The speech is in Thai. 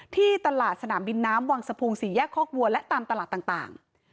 ที่ตลาดสนามบินน้ำวังสะพุงสี่แยกคอกวัวและตามตลาดต่าง